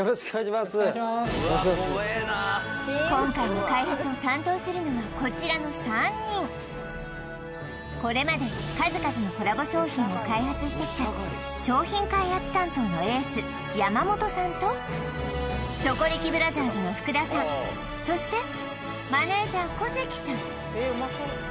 今回の開発を担当するのはこちらの３人これまで数々のコラボ商品を開発してきた商品開発担当のエース山本さんとショコリキブラザーズの福田さんそしてマネージャー小関さん